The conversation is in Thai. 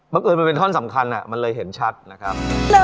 เอิญมันเป็นท่อนสำคัญมันเลยเห็นชัดนะครับ